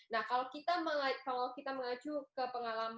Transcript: nah kalau kita mengacu ke pengalaman mas iman sebagai salah satu pemilik